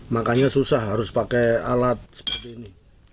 makanya susah harus pakai alat seperti ini